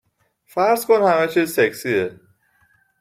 فرض کن همه چیز سکسیه